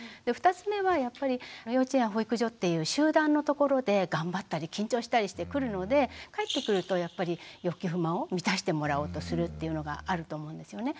２つ目はやっぱり幼稚園保育所っていう集団の所で頑張ったり緊張したりしてくるので帰ってくるとやっぱり欲求不満を満たしてもらおうとするっていうのがあると思うんですよね。